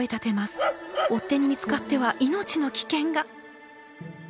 追っ手に見つかっては命の危険が！